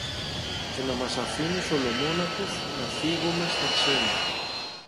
Και να μας αφήνεις ολομόναχους να φύγομε στα ξένα!